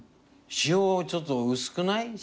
塩ちょっと薄くない？